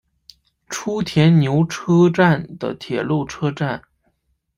初田牛车站的铁路车站。